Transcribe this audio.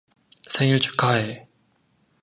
생일 축하해!